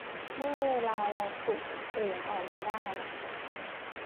เมื่อเวลาเราขุดเหรียญออกมาได้